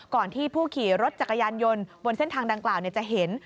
ที่ผู้ขี่รถจักรยานยนต์บนเส้นทางดังกล่าวจะเห็น